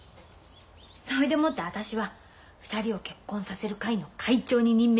そいでもって私は２人を結婚させる会の会長に任命された。